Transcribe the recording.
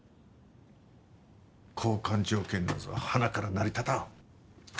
交換条件なぞはなから成り立たん。